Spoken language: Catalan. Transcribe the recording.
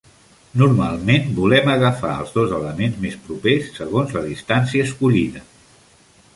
Normalment volem agafar els dos elements més propers, segons la distància escollida.